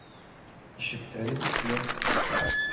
Ишектәре бикле.